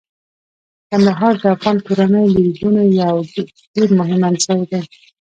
کندهار د افغان کورنیو د دودونو یو ډیر مهم عنصر دی.